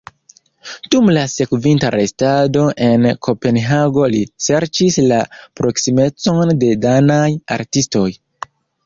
Dum la sekvinta restado en Kopenhago li serĉis la proksimecon de danaj artistoj.